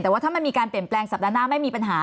แต่ว่าถ้ามันมีการเปลี่ยนแปลงสัปดาห์หน้าไม่มีปัญหา